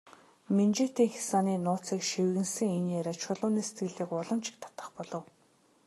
Минжээтийн хясааны нууцыг шивгэнэсэн энэ яриа Чулууны сэтгэлийг улам ч их татах болов.